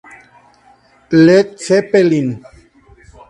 Led Zeppelin